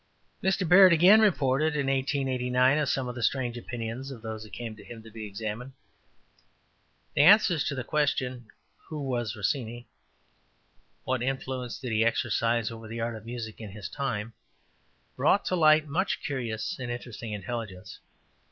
'' Mr. Barrett again reported in 1889 some of the strange opinions of those who came to him to be examined: ``The answers to the question `Who was Rossini? What influence did he exercise over the art of music in his time?' brought to light much curious and interesting intelligence.